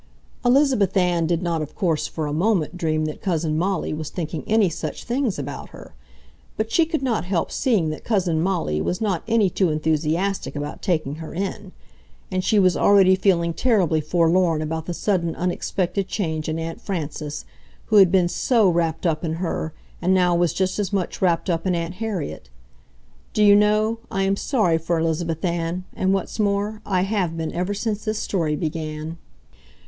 Elizabeth Ann did not of course for a moment dream that Cousin Molly was thinking any such things about her, but she could not help seeing that Cousin Molly was not any too enthusiastic about taking her in; and she was already feeling terribly forlorn about the sudden, unexpected change in Aunt Frances, who had been SO wrapped up in her and now was just as much wrapped up in Aunt Harriet. Do you know, I am sorry for Elizabeth Ann, and, what's more, I have been ever since this story began.